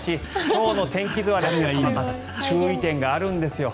今日の天気図は注意点があるんですよ。